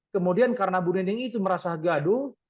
kemudian karena bu neneng itu merasa gaduh